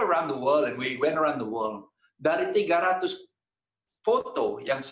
saya mengambilnya di sekitar dunia dan kita berjalan di sekitar dunia